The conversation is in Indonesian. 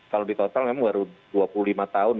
kalau di total memang baru dua puluh lima tahun